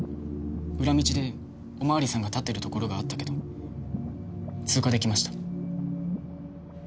裏道でお巡りさんが立ってるところがあったけど通過できました。